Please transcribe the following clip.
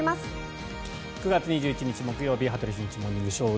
９月２１日、木曜日「羽鳥慎一モーニングショー」。